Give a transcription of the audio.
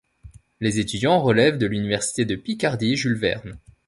Les étudiants relèvent de l'Université de Picardie Jules-Verne.